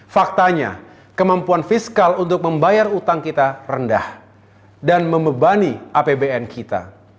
faktanya kemampuan fiskal untuk membayar utang kita rendah dan membebani apbn kita